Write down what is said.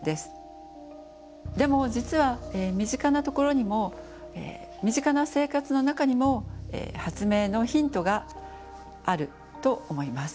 でも実は身近なところにも身近な生活の中にも発明のヒントがあると思います。